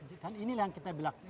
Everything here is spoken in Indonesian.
dan inilah yang kita pelajari ini ya